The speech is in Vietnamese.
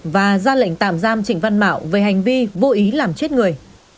và ra lệnh tạm giam trịnh văn mạo về hành vi vô ý làm chết người